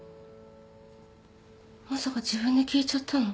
まさか自分で消えちゃったの？